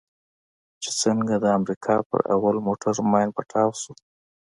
چې څنگه د امريکانو پر اول موټر ماين پټاو سو.